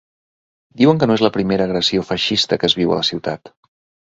Diuen que no és la primera ‘agressió feixista’ que es viu a la ciutat.